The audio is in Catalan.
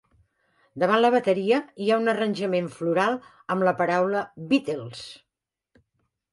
Davant de la bateria hi ha un arranjament floral amb la paraula "Beatles".